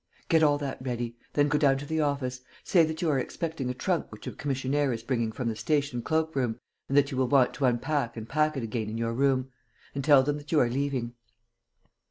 "Get all that ready. Then go down to the office. Say that you are expecting a trunk which a commissionaire is bringing from the station cloakroom and that you will want to unpack and pack it again in your room; and tell them that you are leaving."